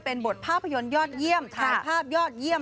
เป็นบทภาพยนตร์ยอดเยี่ยมถ่ายภาพยอดเยี่ยม